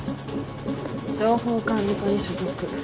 情報管理課に所属。